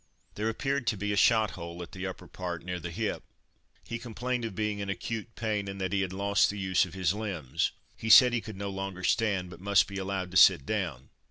There appeared to be a shot hole at the upper part near the hip. He complained of being in acute pain, and that he had lost the use of his limbs; he said he could no longer stand, but must be allowed to sit down.